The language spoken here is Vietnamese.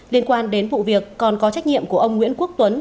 liên quan đến vụ việc còn có trách nhiệm của ông nguyễn quốc tuấn